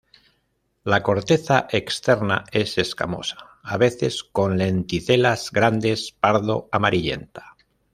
La corteza externa es escamosa, a veces con lenticelas grandes pardo amarillenta.